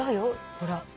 ほら。